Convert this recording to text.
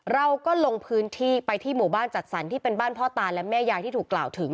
เราก็ลงพื้นที่ไปที่หมู่บ้านจัดสรรที่เป็นบ้านพ่อตาและแม่ยายที่ถูกกล่าวถึง